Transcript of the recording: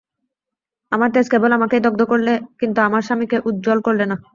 আমার তেজ কেবল আমাকেই দগ্ধ করলে, কিন্তু আমার স্বামীকে উজ্জ্বল করলে না।